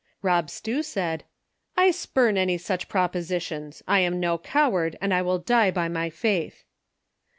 Bob Stew said :" I spurn any such propositions ; I am no coward, and I ■will die by my faith."